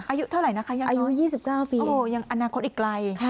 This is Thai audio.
อายุเท่าไหร่นะคะยังยอดโอ้โหยังอนาคตอีกไกลอายุ๒๙ปี